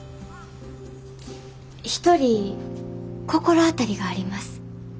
一人心当たりがあります。